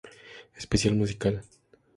Especial musical.